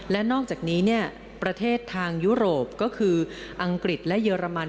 และนอกจากนี้ประเทศทางยุโรปก็คืออังกฤษและเยอรมัน